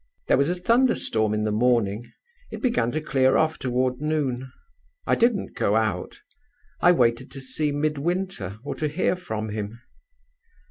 "There was a thunder storm in the morning. It began to clear off toward noon. I didn't go out: I waited to see Midwinter or to hear from him.